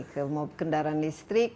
ke kendaraan listrik